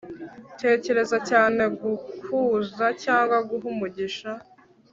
Tekereza cyane gukuza cyangwa guha umugisha